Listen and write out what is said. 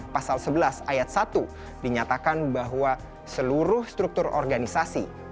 pasal sebelas ayat satu dinyatakan bahwa seluruh struktur organisasi